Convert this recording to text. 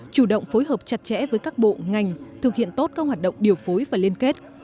chủ động phối hợp chặt chẽ với các bộ ngành thực hiện tốt các hoạt động điều phối và liên kết